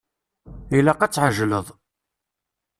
Ilaq ad tɛejleḍ.